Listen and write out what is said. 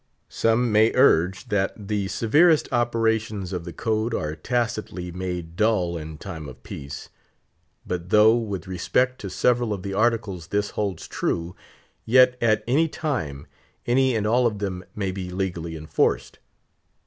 Some may urge that the severest operations of the code are tacitly made null in time of peace. But though with respect to several of the Articles this holds true, yet at any time any and all of them may be legally enforced.